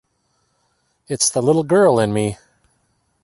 It's the little girl in me!